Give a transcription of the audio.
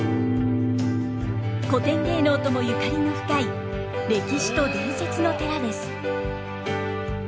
古典芸能ともゆかりの深い歴史と伝説の寺です。